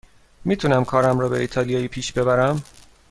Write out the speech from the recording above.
می تونم کارم را به ایتالیایی پیش ببرم.